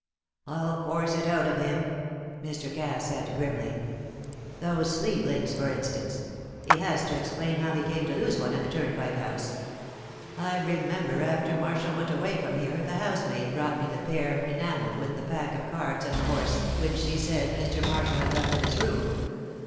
"I'll force it out of him," Mr. Cass said, grimly. "Those sleeve links, for instance; he has to explain how he came to lose one at the Turnpike House. I remember after Marshall went away from here the housemaid brought me the pair enamelled the pack of cards and the horse, which she said Mr. Marshall had left in his room.